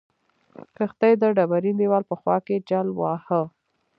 کښتۍ د ډبرین دیوال په خوا کې جل واهه.